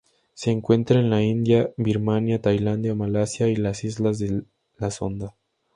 Se encuentra en la India, Birmania, Tailandia, Malasia y las islas de la Sonda.